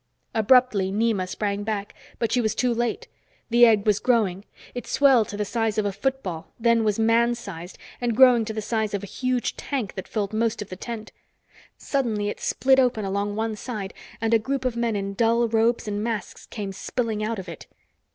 Abruptly Nema sprang back. But she was too late. The egg was growing. It swelled to the size of a football, then was man sized, and growing to the size of a huge tank that filled most of the tent. Suddenly it split open along one side and a group of men in dull robes and masks came spilling out of it.